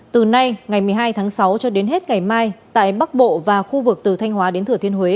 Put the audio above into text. từ nay ngày một mươi hai tháng sáu cho đến hết ngày mai tại bắc bộ và khu vực từ thanh hóa đến thửa thiên huế